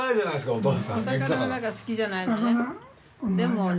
お魚が好きじゃないのよね。